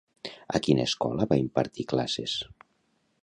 A quina escola va impartir classes?